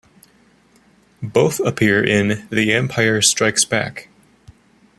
Both appear in "The Empire Strikes Back".